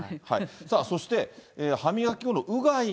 さあそして歯磨き後のうがい。